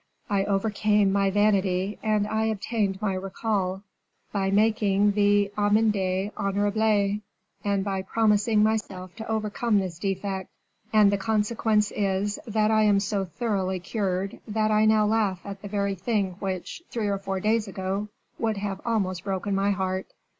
I overcame my vanity, and I obtained my recall, by making the amende honorable, and by promising myself to overcome this defect; and the consequence is, that I am so thoroughly cured, that I now laugh at the very thing which, three or four days ago, would have almost broken my heart.